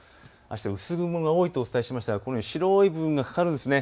薄雲が多いとお伝えしましたが白い雲がかかるんです。